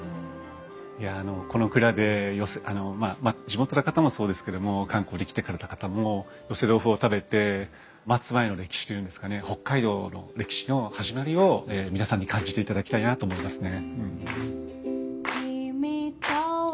いやあのこの蔵で地元の方もそうですけども観光で来てくれた方も寄せ豆腐を食べて松前の歴史というんですかね北海道の歴史の始まりを皆さんに感じていただきたいなと思いますね。